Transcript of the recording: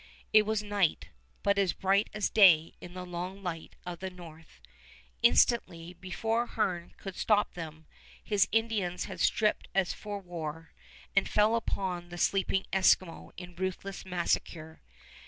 It was night, but as bright as day in the long light of the North. Instantly, before Hearne could stop them, his Indians had stripped as for war, and fell upon the sleeping Eskimo in ruthless massacre.